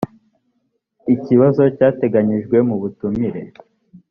kibazo cyateganyijwe mu butumire